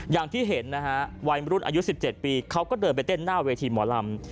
อย่างที่เห็นนะฮะวัยมรุ่นอายุ๑๗ปีเขาก็เดินไปเต้นหน้าเวทีหมอลำ